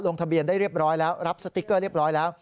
ทะเบียนได้เรียบร้อยแล้วรับสติ๊กเกอร์เรียบร้อยแล้ว